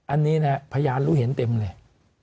อันนี้นะพยานรู้เห็นเต็มเลย